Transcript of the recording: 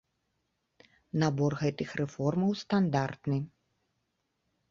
Набор гэтых рэформаў стандартны.